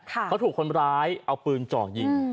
เขาถูกคนร้ายเอาปืนเจาะยิง